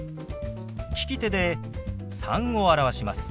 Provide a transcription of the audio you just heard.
利き手で「３」を表します。